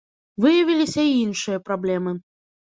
Выявіліся і іншыя праблемы.